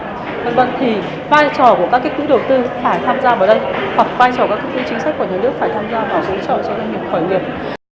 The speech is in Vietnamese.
phải tham gia vào lối trò cho doanh nghiệp khẩn nghiệp